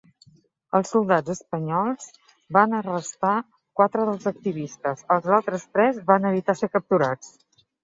Els soldats espanyols van arrestar quatre dels activistes; els altres tres van evitar ser capturats.